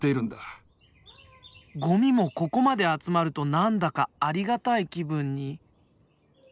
ゴミもここまで集まると何だかありがたい気分に。